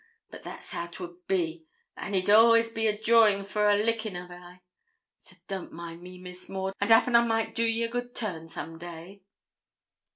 But that's how 'twould be, an' he'd all'ays be a jawing and a lickin' of I; so don't mind me, Miss Maud, and 'appen I might do ye a good turn some day.'